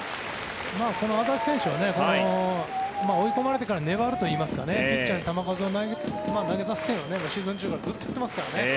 安達選手は追い込まれてから粘るといいますかピッチャーに球数を投げさせたいとシーズン中からずっと言っていますからね。